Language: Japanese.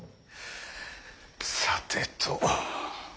さてと。